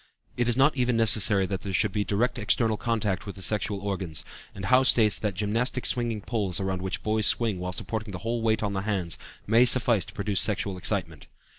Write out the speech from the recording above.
It is not even necessary that there should be direct external contact with the sexual organs, and Howe states that gymnastic swinging poles around which boys swing while supporting the whole weight on the hands, may suffice to produce sexual excitement.